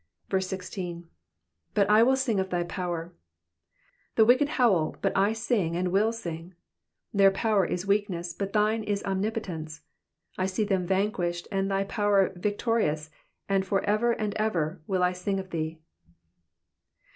16. '^But I will sing of thy power,'' ^ The wicked howl, but I sing and will sing. Their power is weakness, but thine is omnipotence ; I see them van quished and thy power victorious, and for ever and ever will I sing of thee.